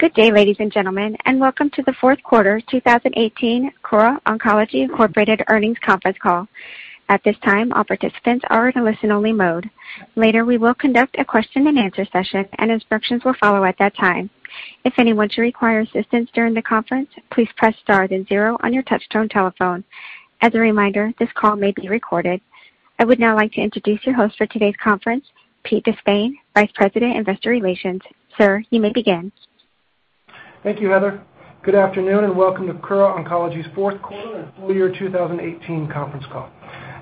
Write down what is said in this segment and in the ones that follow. Good day, ladies and gentlemen. Welcome to the fourth quarter 2018 Kura Oncology Inc earnings conference call. At this time, all participants are in a listen only mode. Later, we will conduct a question and answer session. Instructions will follow at that time. If anyone should require assistance during the conference, please press star then zero on your touchtone telephone. As a reminder, this call may be recorded. I would now like to introduce your host for today's conference, Pete De Spain, Vice President, Investor Relations. Sir, you may begin. Thank you, Heather. Good afternoon. Welcome to Kura Oncology's fourth quarter and full year 2018 conference call.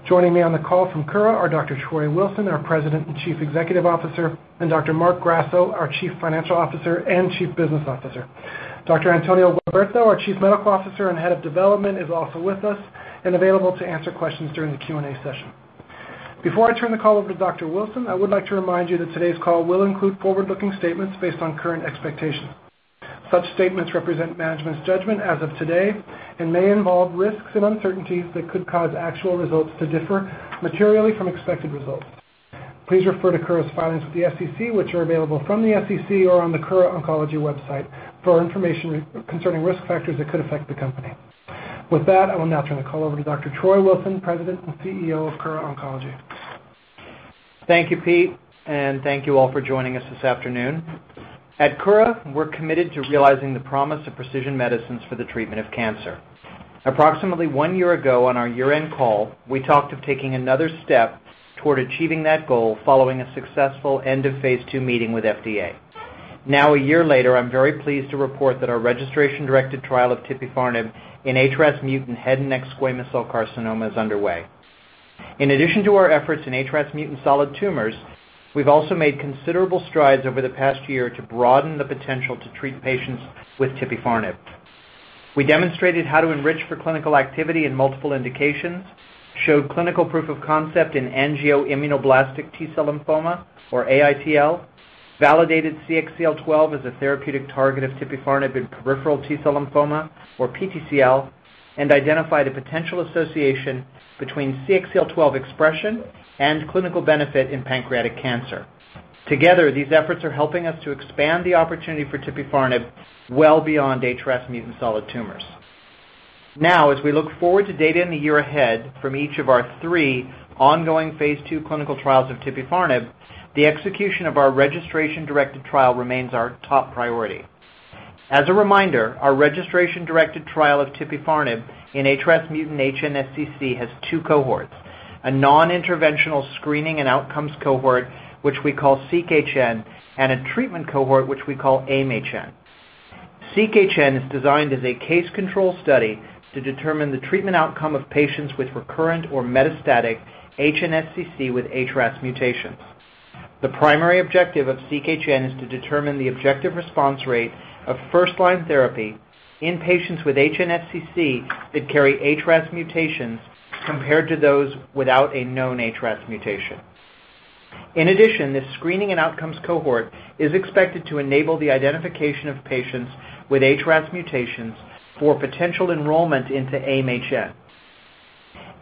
Joining me on the call from Kura are Dr. Troy Wilson, our President and Chief Executive Officer, and Dr. Marc Grasso, our Chief Financial Officer and Chief Business Officer. Dr. Antonio Gualberto, our Chief Medical Officer and Head of Development, is also with us and available to answer questions during the Q&A session. Before I turn the call over to Dr. Wilson, I would like to remind you that today's call will include forward-looking statements based on current expectations. Such statements represent management's judgment as of today and may involve risks and uncertainties that could cause actual results to differ materially from expected results. Please refer to Kura's filings with the SEC, which are available from the SEC or on the Kura Oncology website for information concerning risk factors that could affect the company. With that, I will now turn the call over to Dr. Troy Wilson, President and CEO of Kura Oncology. Thank you, Pete. Thank you all for joining us this afternoon. At Kura, we're committed to realizing the promise of precision medicines for the treatment of cancer. Approximately one year ago on our year-end call, we talked of taking another step toward achieving that goal following a successful end of phase II meeting with FDA. Now, a year later, I'm very pleased to report that our registration-directed trial of tipifarnib in HRAS-mutant head and neck squamous cell carcinoma is underway. In addition to our efforts in HRAS-mutant solid tumors, we've also made considerable strides over the past year to broaden the potential to treat patients with tipifarnib. We demonstrated how to enrich for clinical activity in multiple indications, showed clinical proof of concept in angioimmunoblastic T-cell lymphoma, or AITL, validated CXCL12 as a therapeutic target of tipifarnib in peripheral T-cell lymphoma, or PTCL, and identified a potential association between CXCL12 expression and clinical benefit in pancreatic cancer. Together, these efforts are helping us to expand the opportunity for tipifarnib well beyond HRAS-mutant solid tumors. As we look forward to data in the year ahead from each of our three ongoing phase II clinical trials of tipifarnib, the execution of our registration-directed trial remains our top priority. As a reminder, our registration-directed trial of tipifarnib in HRAS-mutant HNSCC has two cohorts, a non-interventional screening and outcomes cohort, which we call SEQ-HN, and a treatment cohort, which we call AIM-HN. SEQ-HN is designed as a case control study to determine the treatment outcome of patients with recurrent or metastatic HNSCC with HRAS mutations. The primary objective of SEQ-HN is to determine the objective response rate of first-line therapy in patients with HNSCC that carry HRAS mutations compared to those without a known HRAS mutation. In addition, this screening and outcomes cohort is expected to enable the identification of patients with HRAS mutations for potential enrollment into AIM-HN.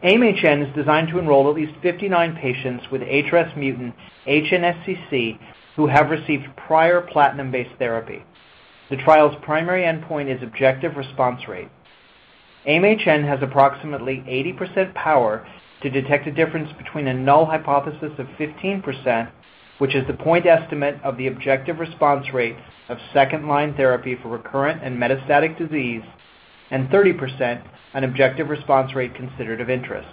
AIM-HN is designed to enroll at least 59 patients with HRAS-mutant HNSCC who have received prior platinum-based therapy. The trial's primary endpoint is objective response rate. AIM-HN has approximately 80% power to detect a difference between a null hypothesis of 15%, which is the point estimate of the objective response rate of second line therapy for recurrent and metastatic disease, and 30%, an objective response rate considered of interest.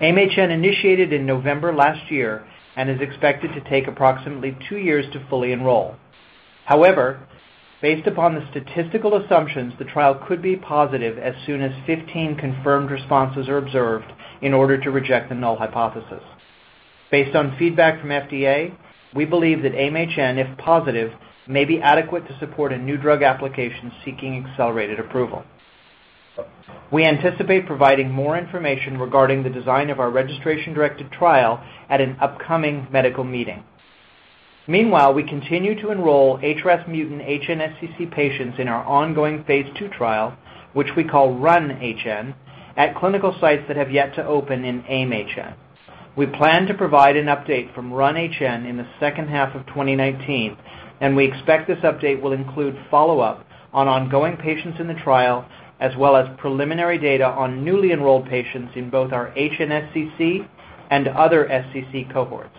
AIM-HN initiated in November last year and is expected to take approximately two years to fully enroll. However, based upon the statistical assumptions, the trial could be positive as soon as 15 confirmed responses are observed in order to reject the null hypothesis. Based on feedback from FDA, we believe that AIM-HN, if positive, may be adequate to support a new drug application seeking accelerated approval. We anticipate providing more information regarding the design of our registration-directed trial at an upcoming medical meeting. Meanwhile, we continue to enroll HRAS-mutant HNSCC patients in our ongoing phase II trial, which we call RUN-HN, at clinical sites that have yet to open in AIM-HN. We plan to provide an update from RUN-HN in the second half of 2019, and we expect this update will include follow-up on ongoing patients in the trial, as well as preliminary data on newly enrolled patients in both our HNSCC and other SCC cohorts.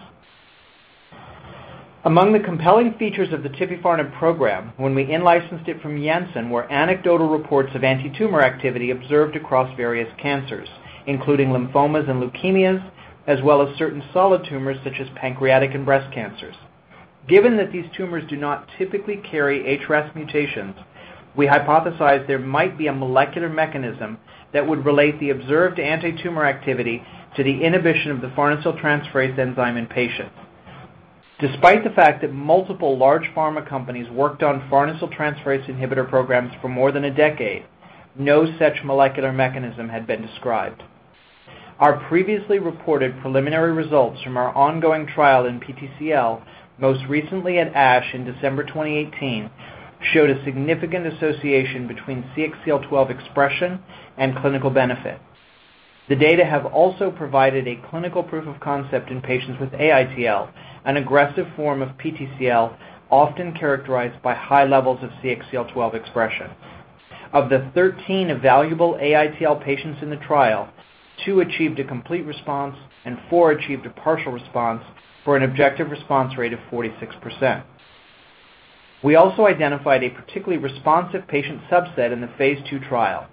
Among the compelling features of the tipifarnib program when we in-licensed it from Janssen were anecdotal reports of anti-tumor activity observed across various cancers, including lymphomas and leukemias, as well as certain solid tumors such as pancreatic and breast cancers. Given that these tumors do not typically carry HRAS mutations, we hypothesized there might be a molecular mechanism that would relate the observed anti-tumor activity to the inhibition of the farnesyltransferase enzyme in patients. Despite the fact that multiple large pharma companies worked on farnesyltransferase inhibitor programs for more than a decade, no such molecular mechanism had been described. Our previously reported preliminary results from our ongoing trial in PTCL, most recently at ASH in December 2018, showed a significant association between CXCL12 expression and clinical benefit. The data have also provided a clinical proof of concept in patients with AITL, an aggressive form of PTCL often characterized by high levels of CXCL12 expression. Of the 13 evaluable AITL patients in the trial, two achieved a complete response, and four achieved a partial response for an objective response rate of 46%. We also identified a particularly responsive patient subset in the phase II trial.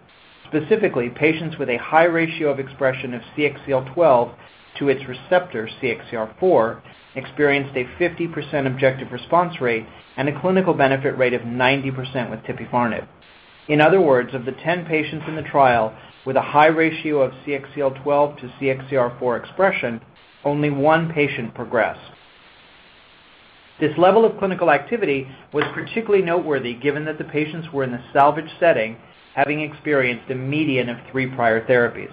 Specifically, patients with a high ratio of expression of CXCL12 to its receptor CXCR4 experienced a 50% objective response rate and a clinical benefit rate of 90% with tipifarnib. In other words, of the 10 patients in the trial with a high ratio of CXCL12 to CXCR4 expression, only one patient progressed. This level of clinical activity was particularly noteworthy given that the patients were in a salvage setting, having experienced a median of three prior therapies.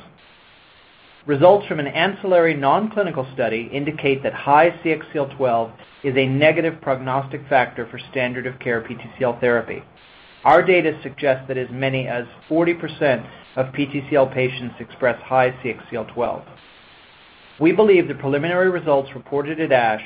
Results from an ancillary non-clinical study indicate that high CXCL12 is a negative prognostic factor for standard of care PTCL therapy. Our data suggest that as many as 40% of PTCL patients express high CXCL12. We believe the preliminary results reported at ASH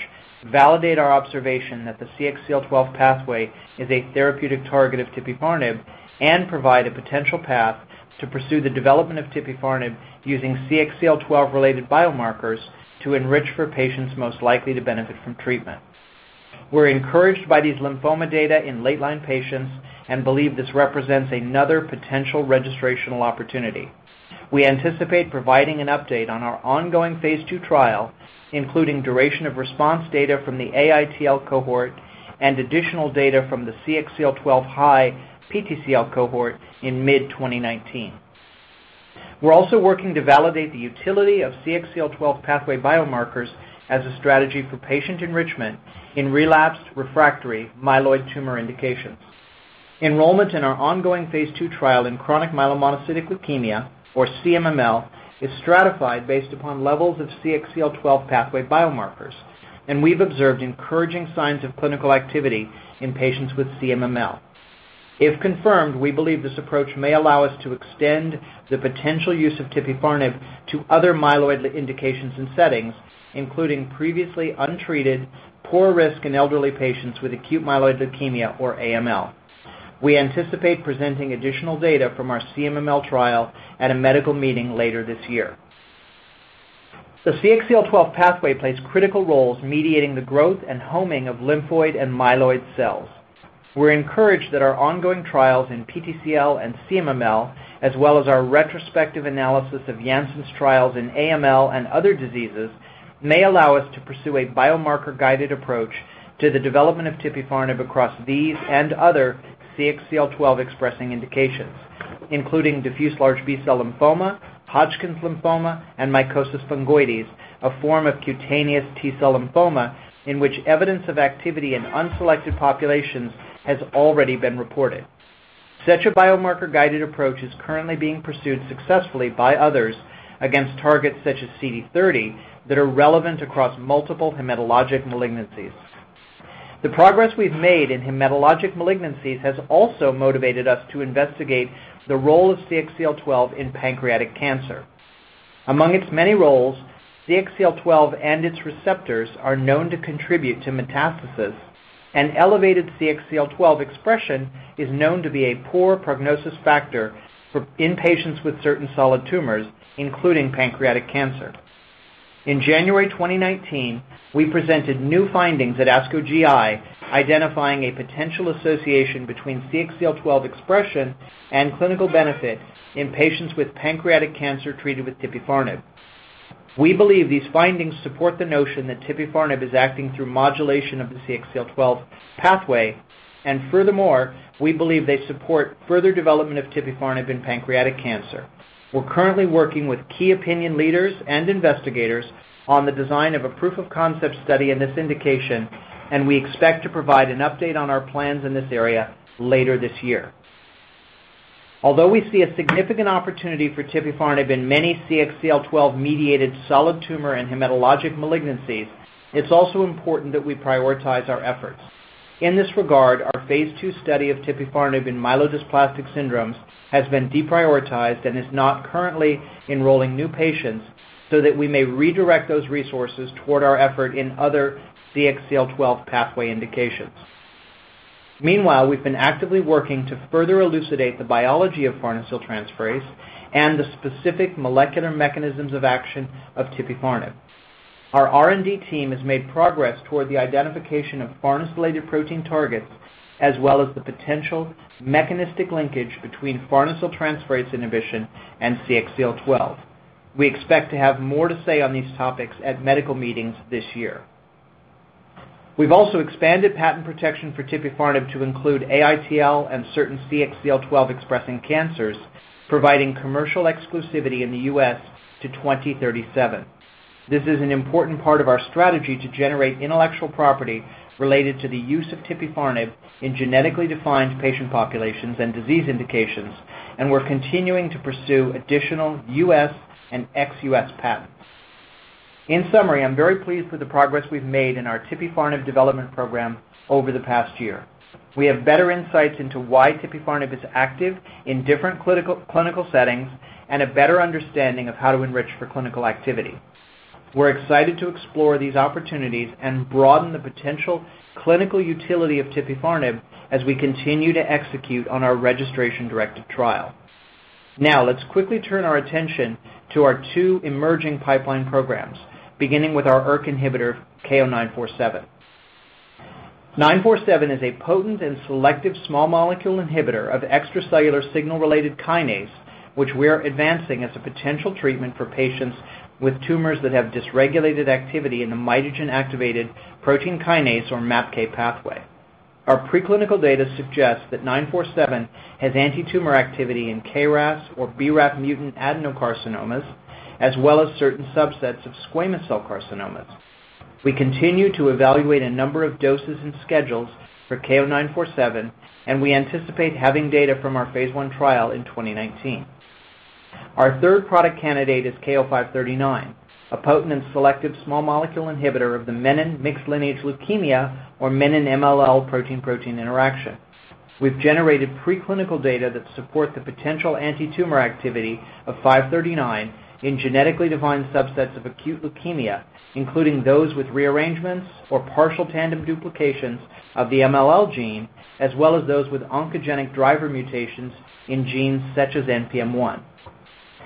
validate our observation that the CXCL12 pathway is a therapeutic target of tipifarnib and provide a potential path to pursue the development of tipifarnib using CXCL12-related biomarkers to enrich for patients most likely to benefit from treatment. We're encouraged by these lymphoma data in late line patients and believe this represents another potential registrational opportunity. We anticipate providing an update on our ongoing phase II trial, including duration of response data from the AITL cohort and additional data from the CXCL12-high PTCL cohort in mid 2019. We're also working to validate the utility of CXCL12 pathway biomarkers as a strategy for patient enrichment in relapsed refractory myeloid tumor indications. Enrollment in our ongoing phase II trial in chronic myelomonocytic leukemia, or CMML, is stratified based upon levels of CXCL12 pathway biomarkers, and we've observed encouraging signs of clinical activity in patients with CMML. If confirmed, we believe this approach may allow us to extend the potential use of tipifarnib to other myeloid indications and settings, including previously untreated, poor risk in elderly patients with acute myeloid leukemia or AML. We anticipate presenting additional data from our CMML trial at a medical meeting later this year. The CXCL12 pathway plays critical roles mediating the growth and homing of lymphoid and myeloid cells. We're encouraged that our ongoing trials in PTCL and CMML, as well as our retrospective analysis of Janssen's trials in AML and other diseases, may allow us to pursue a biomarker-guided approach to the development of tipifarnib across these and other CXCL12-expressing indications, including diffuse large B-cell lymphoma, Hodgkin lymphoma, and mycosis fungoides, a form of cutaneous T-cell lymphoma in which evidence of activity in unselected populations has already been reported. Such a biomarker-guided approach is currently being pursued successfully by others against targets such as CD30 that are relevant across multiple hematologic malignancies. The progress we've made in hematologic malignancies has also motivated us to investigate the role of CXCL12 in pancreatic cancer. Among its many roles, CXCL12 and its receptors are known to contribute to metastasis. Elevated CXCL12 expression is known to be a poor prognosis factor in patients with certain solid tumors, including pancreatic cancer. In January 2019, we presented new findings at ASCO GI identifying a potential association between CXCL12 expression and clinical benefit in patients with pancreatic cancer treated with tipifarnib. We believe these findings support the notion that tipifarnib is acting through modulation of the CXCL12 pathway. Furthermore, we believe they support further development of tipifarnib in pancreatic cancer. We're currently working with key opinion leaders and investigators on the design of a proof of concept study in this indication. We expect to provide an update on our plans in this area later this year. Although we see a significant opportunity for tipifarnib in many CXCL12-mediated solid tumor and hematologic malignancies, it's also important that we prioritize our efforts. In this regard, our phase II study of tipifarnib in myelodysplastic syndromes has been deprioritized and is not currently enrolling new patients. We may redirect those resources toward our effort in other CXCL12 pathway indications. Meanwhile, we've been actively working to further elucidate the biology of farnesyltransferase and the specific molecular mechanisms of action of tipifarnib. Our R&D team has made progress toward the identification of farnesylated protein targets, as well as the potential mechanistic linkage between farnesyltransferase inhibition and CXCL12. We expect to have more to say on these topics at medical meetings this year. We've also expanded patent protection for tipifarnib to include AITL and certain CXCL12-expressing cancers, providing commercial exclusivity in the U.S. to 2037. This is an important part of our strategy to generate intellectual property related to the use of tipifarnib in genetically defined patient populations and disease indications. We're continuing to pursue additional U.S. and ex-U.S. patents. In summary, I'm very pleased with the progress we've made in our tipifarnib development program over the past year. We have better insights into why tipifarnib is active in different clinical settings and a better understanding of how to enrich for clinical activity. We're excited to explore these opportunities and broaden the potential clinical utility of tipifarnib as we continue to execute on our registration directed trial. Now let's quickly turn our attention to our two emerging pipeline programs, beginning with our ERK inhibitor, KO-947. 947 is a potent and selective small molecule inhibitor of extracellular signal-related kinase, which we're advancing as a potential treatment for patients with tumors that have dysregulated activity in the mitogen-activated protein kinase, or MAPK, pathway. Our preclinical data suggests that 947 has anti-tumor activity in KRAS or BRAF mutant adenocarcinomas, as well as certain subsets of squamous cell carcinomas. We continue to evaluate a number of doses and schedules for KO-947. We anticipate having data from our phase I trial in 2019. Our third product candidate is KO-539, a potent and selective small molecule inhibitor of the menin mixed lineage leukemia or menin-MLL protein-protein interaction. We've generated preclinical data that support the potential anti-tumor activity of 539 in genetically defined subsets of acute leukemia, including those with rearrangements or partial tandem duplications of the MLL gene, as well as those with oncogenic driver mutations in genes such as NPM1.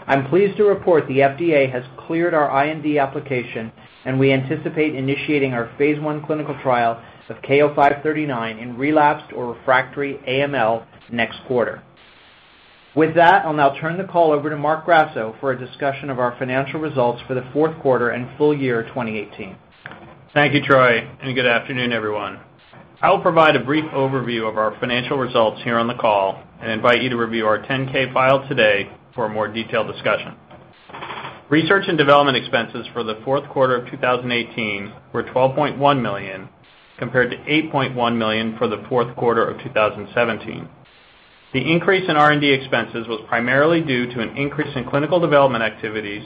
I'm pleased to report the FDA has cleared our IND application, and we anticipate initiating our phase I clinical trial of KO-539 in relapsed or refractory AML next quarter. With that, I'll now turn the call over to Marc Grasso for a discussion of our financial results for the fourth quarter and full year 2018. Thank you, Troy, and good afternoon, everyone. I will provide a brief overview of our financial results here on the call and invite you to review our 10-K file today for a more detailed discussion. Research and development expenses for the fourth quarter of 2018 were $12.1 million, compared to $8.1 million for the fourth quarter of 2017. The increase in R&D expenses was primarily due to an increase in clinical development activities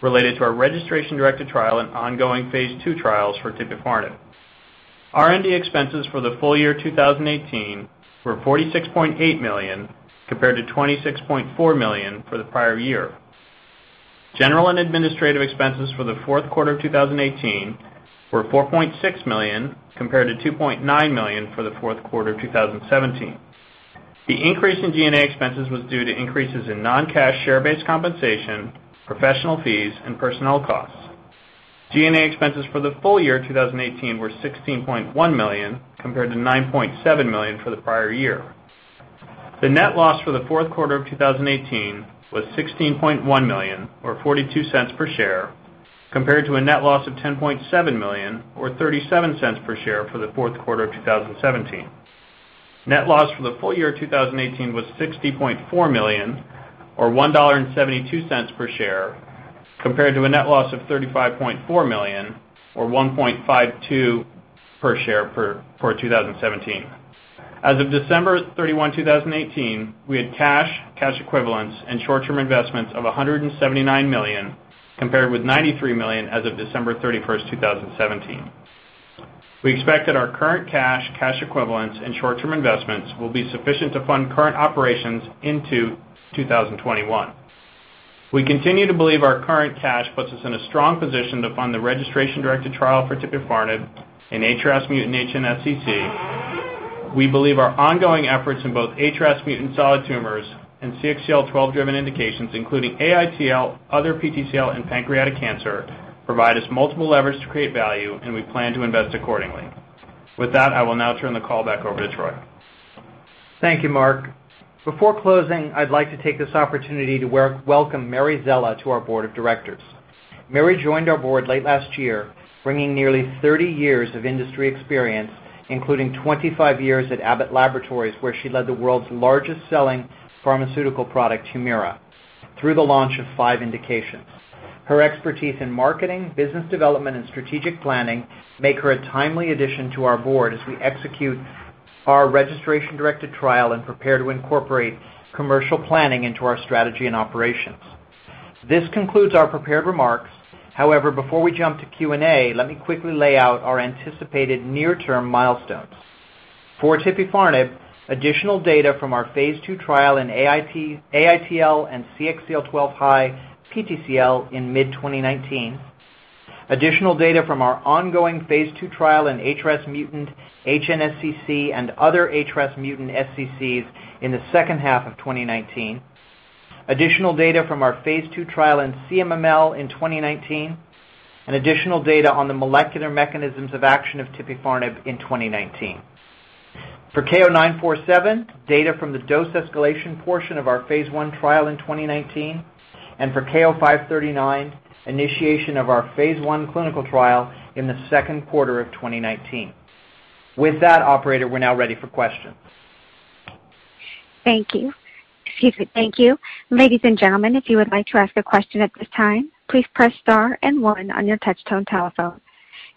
related to our registration directed trial and ongoing phase II trials for tipifarnib. R&D expenses for the full year 2018 were $46.8 million, compared to $26.4 million for the prior year. General and administrative expenses for the fourth quarter of 2018 were $4.6 million, compared to $2.9 million for the fourth quarter of 2017. The increase in G&A expenses was due to increases in non-cash share-based compensation, professional fees, and personnel costs. G&A expenses for the full year 2018 were $16.1 million, compared to $9.7 million for the prior year. The net loss for the fourth quarter of 2018 was $16.1 million, or $0.42 per share, compared to a net loss of $10.7 million, or $0.37 per share, for the fourth quarter of 2017. Net loss for the full year 2018 was $60.4 million, or $1.72 per share, compared to a net loss of $35.4 million, or $1.52 per share, for 2017. As of December 31, 2018, we had cash equivalents, and short-term investments of $179 million, compared with $93 million as of December 31st, 2017. We expect that our current cash equivalents, and short-term investments will be sufficient to fund current operations into 2021. We continue to believe our current cash puts us in a strong position to fund the registration directed trial for tipifarnib in HRAS-mutant HNSCC. We believe our ongoing efforts in both HRAS-mutant solid tumors and CXCL12-driven indications, including AITL, other PTCL, and pancreatic cancer, provide us multiple levers to create value, and we plan to invest accordingly. With that, I will now turn the call back over to Troy. Thank you, Marc. Before closing, I'd like to take this opportunity to welcome Mary Szela to our board of directors. Mary joined our board late last year, bringing nearly 30 years of industry experience, including 25 years at Abbott Laboratories, where she led the world's largest-selling pharmaceutical product, HUMIRA, through the launch of five indications. Her expertise in marketing, business development, and strategic planning make her a timely addition to our board as we execute our registration-directed trial and prepare to incorporate commercial planning into our strategy and operations. This concludes our prepared remarks. Before we jump to Q&A, let me quickly lay out our anticipated near-term milestones. For tipifarnib, additional data from our phase II trial in AITL and CXCL12-high PTCL in mid 2019, additional data from our ongoing phase II trial in HRAS-mutant HNSCC and other HRAS-mutant SCCs in the second half of 2019, additional data from our phase II trial in CMML in 2019, and additional data on the molecular mechanisms of action of tipifarnib in 2019. For KO-947, data from the dose escalation portion of our phase I trial in 2019, and for KO-539, initiation of our phase I clinical trial in the second quarter of 2019. With that operator, we're now ready for questions. Thank you. Excuse me. Thank you. Ladies and gentlemen, if you would like to ask a question at this time, please press star and one on your touch tone telephone.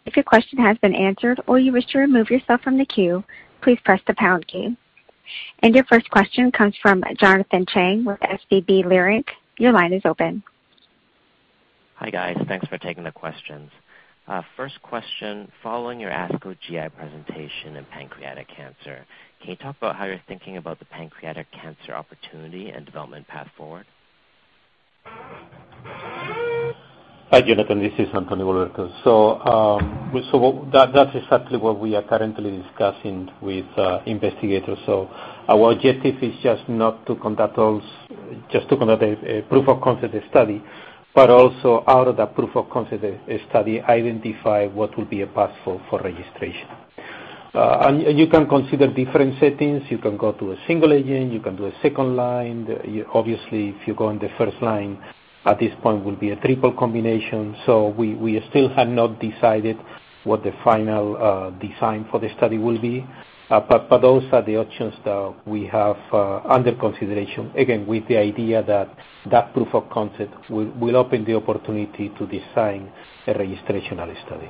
If your question has been answered or you wish to remove yourself from the queue, please press the pound key. Your first question comes from Jonathan Chang with SVB Leerink. Your line is open. Hi, guys. Thanks for taking the questions. First question, following your ASCO GI presentation in pancreatic cancer, can you talk about how you're thinking about the pancreatic cancer opportunity and development path forward? Hi, Jonathan. This is Antonio Gualberto. That's exactly what we are currently discussing with investigators. Our objective is just not to conduct a proof of concept study, but also out of that proof of concept study, identify what will be a path forward for registration. You can consider different settings. You can go to a single agent, you can do a second line. Obviously, if you go on the first line at this point will be a triple combination. We still have not decided what the final design for the study will be. Those are the options that we have under consideration. Again, with the idea that that proof of concept will open the opportunity to design a registrational study.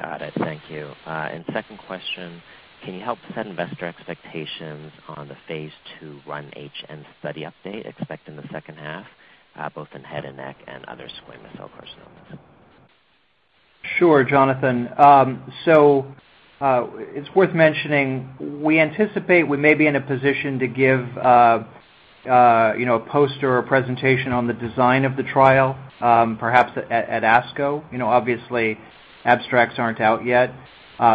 Got it. Thank you. Second question, can you help set investor expectations on the phase II RUN-HN study update expected in the second half, both in head and neck and other squamous cell carcinomas? Sure, Jonathan. It's worth mentioning, we anticipate we may be in a position to give a poster or presentation on the design of the trial, perhaps at ASCO. Obviously, abstracts aren't out yet.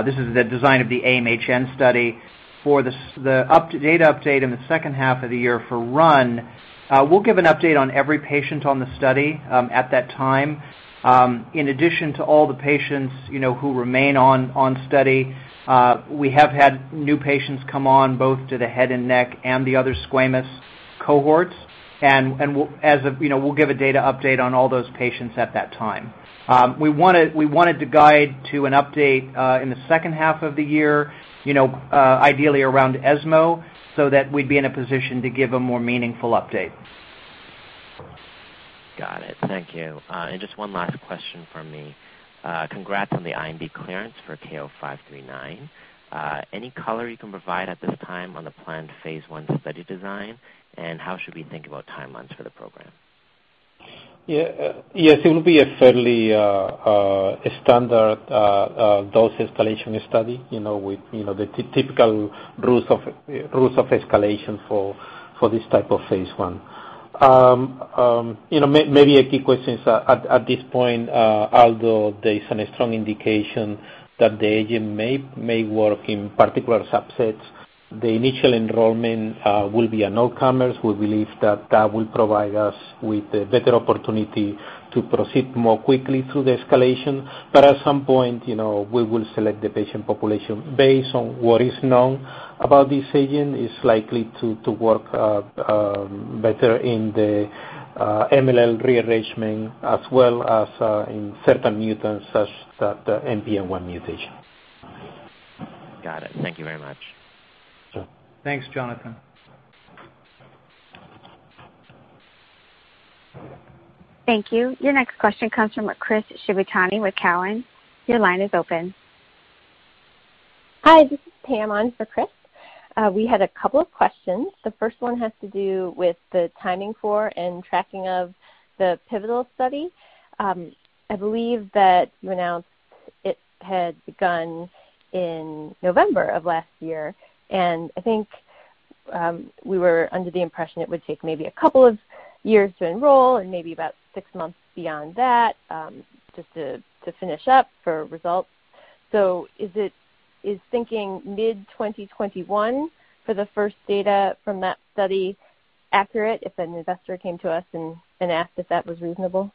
This is the design of the AIM-HN study. For the data update in the second half of the year for RUN, we'll give an update on every patient on the study at that time. In addition to all the patients who remain on study, we have had new patients come on both to the head and neck and the other squamous cohorts. We'll give a data update on all those patients at that time. We wanted to guide to an update in the second half of the year ideally around ESMO, so that we'd be in a position to give a more meaningful update. Got it. Thank you. Just one last question from me. Congrats on the IND clearance for KO-539. Any color you can provide at this time on the planned phase I study design, and how should we think about timelines for the program? Yes, it will be a fairly standard dose escalation study with the typical rules of escalation for this type of phase I. Maybe a key question is at this point, although there is a strong indication that the agent may work in particular subsets, the initial enrollment will be a no-comers. We believe that that will provide us with a better opportunity to proceed more quickly through the escalation. At some point, we will select the patient population based on what is known about this agent. It's likely to work better in the MLL rearrangement as well as in certain mutants such that the NPM1 mutation. Got it. Thank you very much. Thanks, Jonathan. Thank you. Your next question comes from Chris Shibutani with Cowen. Your line is open. Hi, this is Pam on for Chris. We had a couple of questions. The first one has to do with the timing for and tracking of the pivotal study. I believe that you announced it had begun in November of last year, and I think we were under the impression it would take maybe a couple of years to enroll and maybe about six months beyond that just to finish up for results. Is thinking mid-2021 for the first data from that study accurate if an investor came to us and asked if that was reasonable?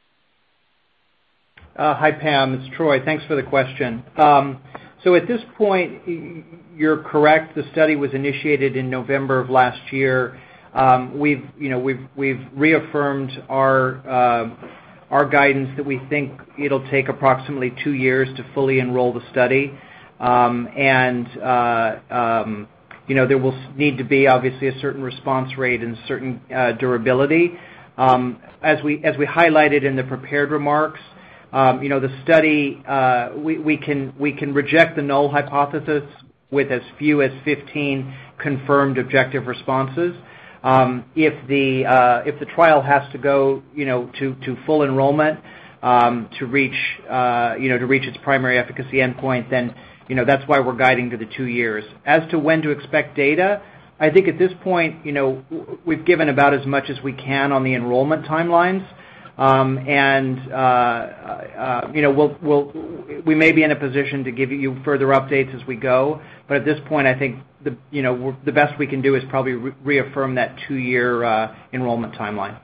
Hi, Pam. It's Troy. Thanks for the question. At this point, you're correct. The study was initiated in November of last year. We've reaffirmed our guidance that we think it'll take approximately two years to fully enroll the study. There will need to be, obviously, a certain response rate and certain durability. As we highlighted in the prepared remarks, the study, we can reject the null hypothesis with as few as 15 confirmed objective responses. If the trial has to go to full enrollment to reach its primary efficacy endpoint, then that's why we're guiding to the two years. As to when to expect data, I think at this point, we've given about as much as we can on the enrollment timelines. We may be in a position to give you further updates as we go. At this point, I think the best we can do is probably reaffirm that two-year enrollment timeline.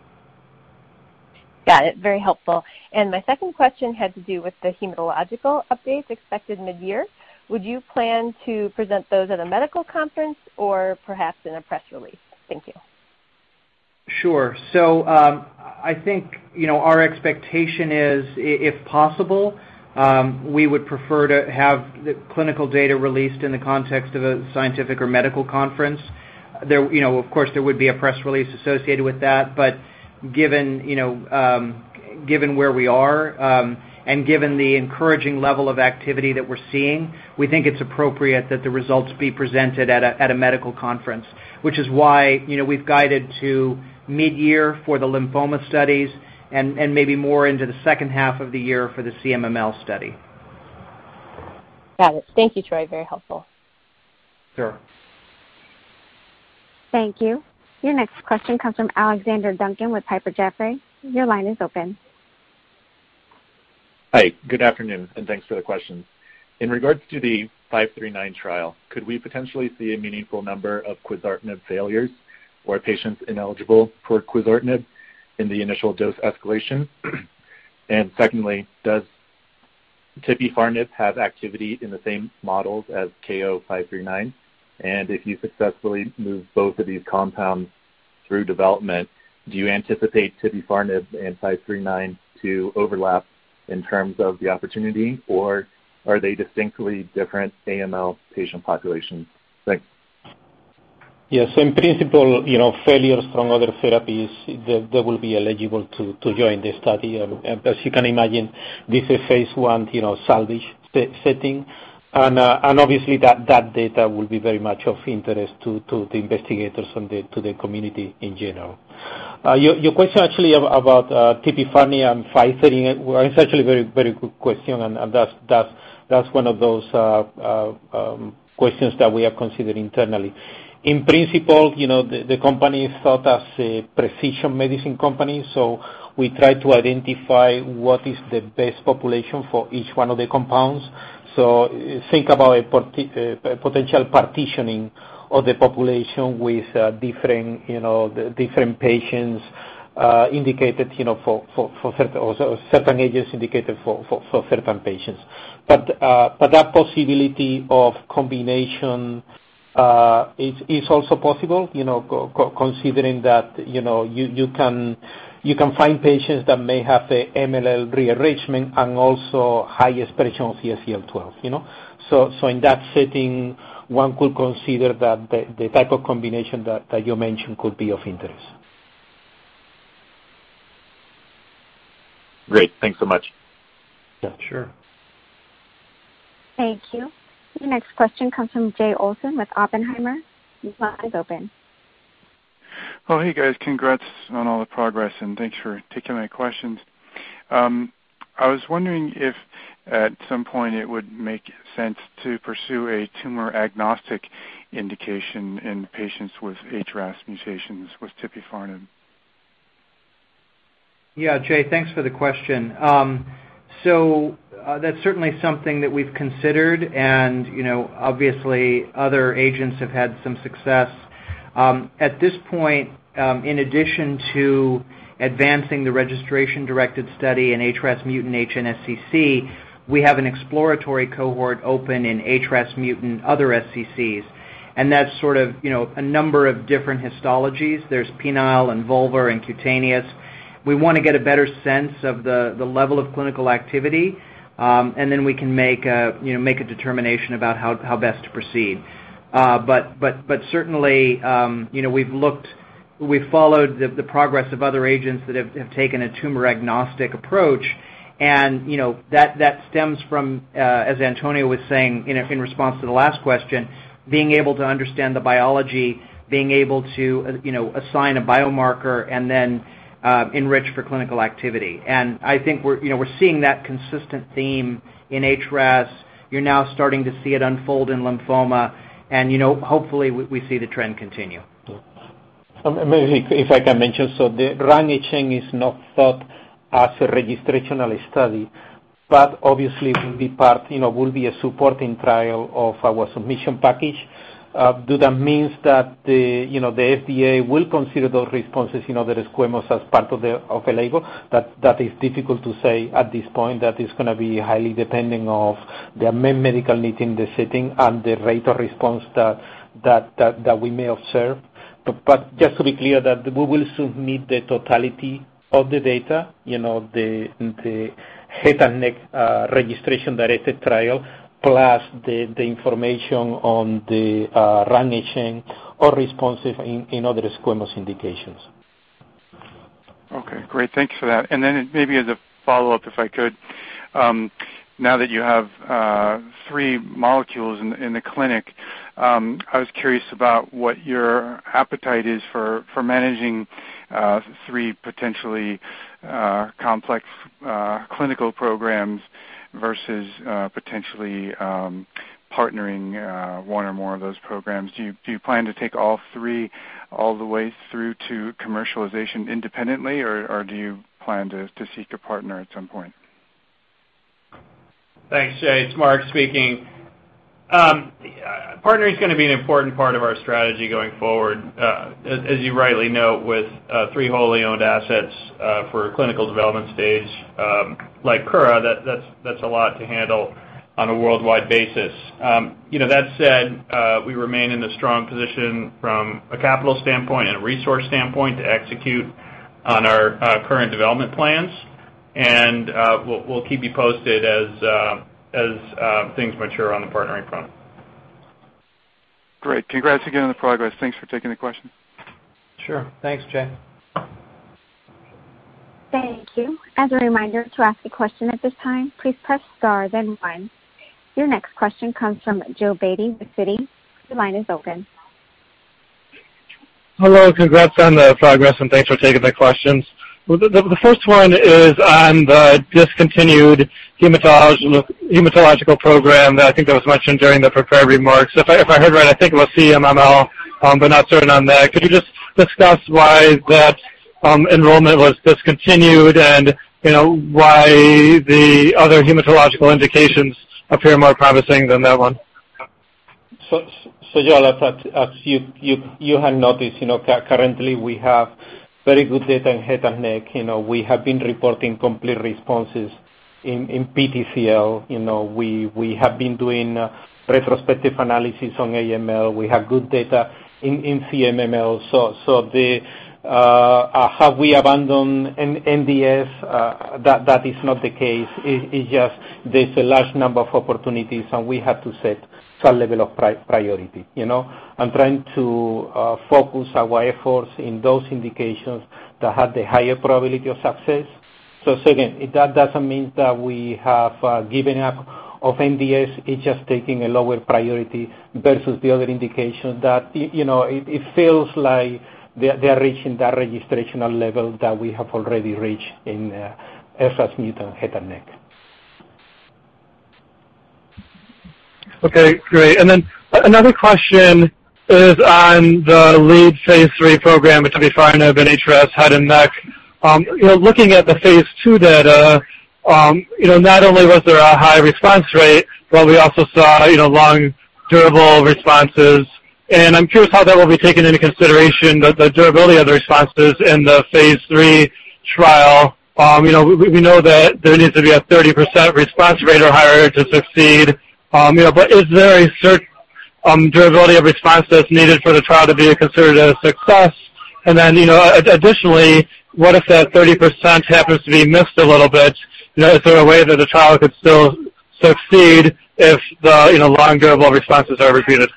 Got it. Very helpful. My second question had to do with the hematological updates expected mid-year. Would you plan to present those at a medical conference or perhaps in a press release? Thank you. I think our expectation is, if possible, we would prefer to have the clinical data released in the context of a scientific or medical conference. Of course, there would be a press release associated with that, but Given where we are, and given the encouraging level of activity that we're seeing, we think it's appropriate that the results be presented at a medical conference, which is why we've guided to mid-year for the lymphoma studies and maybe more into the second half of the year for the CMML study. Got it. Thank you, Troy. Very helpful. Sure. Thank you. Your next question comes from Alexander Duncan with Piper Jaffray. Your line is open. Hi. Good afternoon, thanks for the questions. In regards to the 539 trial, could we potentially see a meaningful number of quizartinib failures or patients ineligible for quizartinib in the initial dose escalation? Secondly, does tipifarnib have activity in the same models as KO-539? If you successfully move both of these compounds through development, do you anticipate tipifarnib and 539 to overlap in terms of the opportunity, or are they distinctly different AML patient populations? Thanks. Yes. In principle, failures from other therapies, they will be eligible to join the study. As you can imagine, this is phase I salvage setting. Obviously, that data will be very much of interest to the investigators and to the community in general. Your question actually about tipifarnib and 539 is actually a very good question, that's one of those questions that we are considering internally. In principle, the company is thought as a precision medicine company, so we try to identify what is the best population for each one of the compounds. Think about a potential partitioning of the population with different patients indicated, or certain agents indicated for certain patients. That possibility of combination is also possible considering that you can find patients that may have the MLL rearrangement and also high expression of CXCL12. In that setting, one could consider that the type of combination that you mentioned could be of interest. Great. Thanks so much. Yeah, sure. Thank you. Your next question comes from Jay Olson with Oppenheimer. Your line is open. Oh, hey guys. Congrats on all the progress, and thanks for taking my questions. I was wondering if at some point it would make sense to pursue a tumor-agnostic indication in patients with HRAS mutations with tipifarnib? Yeah, Jay, thanks for the question. That's certainly something that we've considered, and obviously other agents have had some success. At this point, in addition to advancing the registration-directed study in HRAS-mutant HNSCC, we have an exploratory cohort open in HRAS-mutant other SCCs, and that's sort of a number of different histologies. There's penile and vulvar and cutaneous. We want to get a better sense of the level of clinical activity, and then we can make a determination about how best to proceed. Certainly, we've followed the progress of other agents that have taken a tumor-agnostic approach, and that stems from, as Antonio was saying in response to the last question, being able to understand the biology, being able to assign a biomarker, and then enrich for clinical activity. I think we're seeing that consistent theme in HRAS. You're now starting to see it unfold in lymphoma. Hopefully we see the trend continue. Maybe if I can mention, the RUN-HN is not thought as a registrational study, but obviously it will be a supporting trial of our submission package. Does that mean that the FDA will consider those responses squamous as part of a label? That is difficult to say at this point. That is going to be highly dependent on the medical need in the setting and the rate of response that we may observe. But just to be clear, that we will soon need the totality of the data, the head and neck registration-directed trial, plus the information on the RUN-HN or responsive in other squamous indications. Okay, great. Thanks for that. Maybe as a follow-up, if I could. Now that you have three molecules in the clinic, I was curious about what your appetite is for managing three potentially complex clinical programs versus potentially partnering one or more of those programs. Do you plan to take all three all the way through to commercialization independently, or do you plan to seek a partner at some point? Thanks, Jay. It's Marc speaking. Partnering is going to be an important part of our strategy going forward. As you rightly note, with three wholly owned assets for clinical development stage like Kura, that's a lot to handle on a worldwide basis. That said, we remain in a strong position from a capital standpoint and a resource standpoint to execute on our current development plans, and we'll keep you posted as things mature on the partnering front. Great. Congrats again on the progress. Thanks for taking the question. Sure. Thanks, Jay. Thank you. As a reminder, to ask a question at this time, please press star, then one. Your next question comes from Joel Beatty with Citi. Your line is open. Hello. Congrats on the progress and thanks for taking the questions. The first one is on the discontinued hematological program that I think that was mentioned during the prepared remarks. If I heard right, I think it was CMML, but not certain on that. Could you just discuss why that enrollment was discontinued and why the other hematological indications appear more promising than that one? Joel, as you had noticed, currently we have very good data in head and neck. We have been reporting complete responses in PTCL. We have been doing retrospective analysis on AML. We have good data in CMML. Have we abandoned MDS? That is not the case. It's just there's a large number of opportunities, and we have to set some level of priority. I'm trying to focus our efforts in those indications that have the higher probability of success. Again, that doesn't mean that we have given up of MDS. It's just taking a lower priority versus the other indication that it feels like they're reaching that registrational level that we have already reached in HRAS-mutant head and neck. Okay, great. Another question is on the lead phase III program, which will be finer than HRAS head and neck. Looking at the phase II data, not only was there a high response rate, we also saw long durable responses, and I'm curious how that will be taken into consideration, the durability of the responses in the phase III trial. We know that there needs to be a 30% response rate or higher to succeed. Is there a durability of response that's needed for the trial to be considered a success? Additionally, what if that 30% happens to be missed a little bit? Is there a way that the trial could still succeed if the long durable responses are repeated?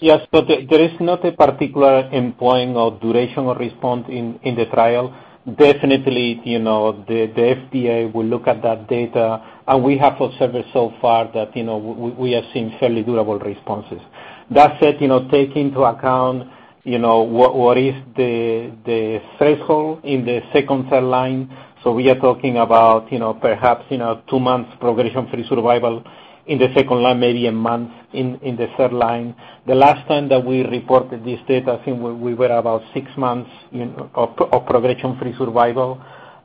Yes, there is not a particular endpoint of duration of response in the trial. Definitely, the FDA will look at that data, we have observed so far that we have seen fairly durable responses. That said, take into account what is the threshold in the second-tier line. We are talking about perhaps two months progression-free survival in the second line, maybe one month in the third line. The last time that we reported this data, I think we were about six months of progression-free survival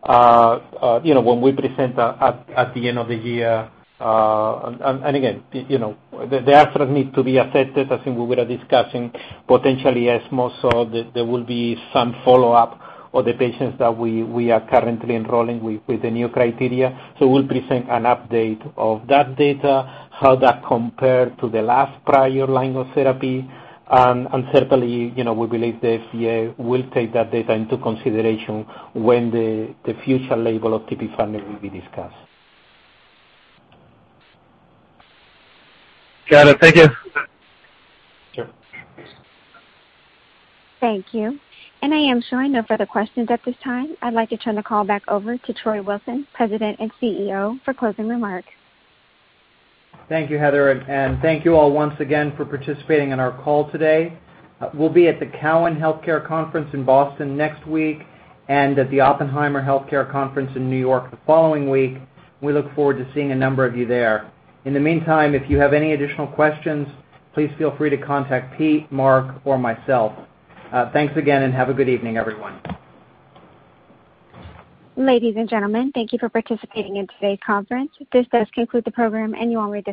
when we present at the end of the year. Again, the data need to be affected. I think we were discussing potentially ESMO, there will be some follow-up of the patients that we are currently enrolling with the new criteria. We'll present an update of that data, how that compared to the last prior line of therapy. Certainly, we believe the FDA will take that data into consideration when the future label of tipifarnib will be discussed. Got it. Thank you. Sure. Thank you. I am showing no further questions at this time. I'd like to turn the call back over to Troy Wilson, President and CEO, for closing remarks. Thank you, Heather. Thank you all once again for participating in our call today. We'll be at the Cowen Healthcare Conference in Boston next week and at the Oppenheimer Healthcare Conference in New York the following week. We look forward to seeing a number of you there. In the meantime, if you have any additional questions, please feel free to contact Pete, Marc, or myself. Thanks again. Have a good evening, everyone. Ladies and gentlemen, thank you for participating in today's conference. This does conclude the program. You all may disconnect.